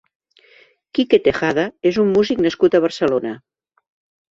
Quique Tejada és un músic nascut a Barcelona.